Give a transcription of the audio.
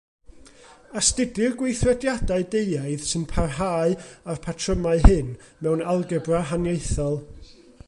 Astudir gweithrediadau deuaidd sy'n parhau â'r patrymau hyn mewn algebra haniaethol.